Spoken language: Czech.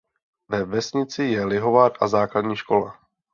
Ve vesnici je lihovar a základní škola.